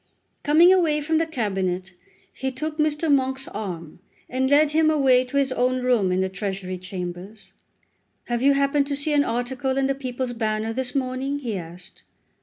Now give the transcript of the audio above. Coming away from the Cabinet he took Mr. Monk's arm, and led him away to his own room in the Treasury Chambers. "Have you happened to see an article in the 'People's Banner' this morning?" he asked.